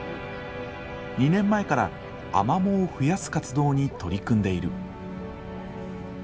２年前からアマモを増やす活動に取り組んでいる。